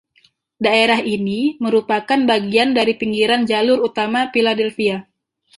Daerah ini merupakan bagian dari pinggiran Jalur Utama Philadelphia.